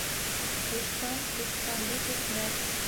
Ҡуштан ҡушҡанды көтмәҫ.